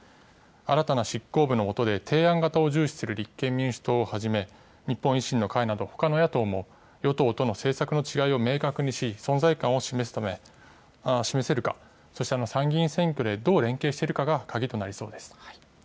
新たな執行部の下で、提案型を重視する立憲民主党をはじめ、日本維新の会などほかの野党も、与党との政策の違いを明確にし、存在感を示せるか、そして参議院選挙でどう連携していけるかが鍵となりそうです。